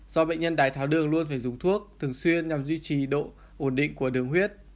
do bệnh nhân đái tháo đường luôn phải dùng thuốc thường xuyên nhằm duy trì độ ổn định của đường huyết